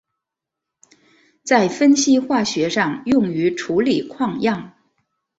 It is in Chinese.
在分析化学上用于处理矿样。